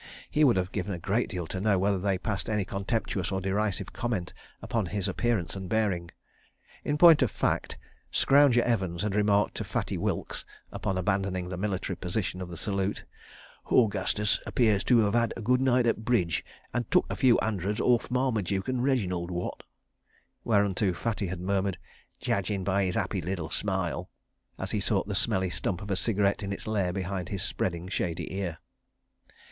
He would have given a great deal to know whether they passed any contemptuous or derisive comment upon his appearance and bearing. ... In point of fact, Scrounger Evans had remarked to Fatty Wilkes, upon abandoning the military position of the salute: "Horgustus appears to 'ave 'ad a good night at bridge, and took a few 'undreds orf Marmadook an' Reginald. Wot?" Whereunto Fatty had murmured: "Jedgin' by 'is 'appy liddle smile," as he sought the smelly stump of a cigarette in its lair behind his spreading shady ear.